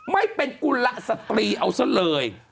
ไม่เป็นกุลสตรีเอาซะเลย